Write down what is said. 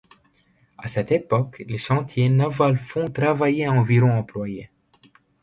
À cette époque, les chantiers navals font travailler environ employés.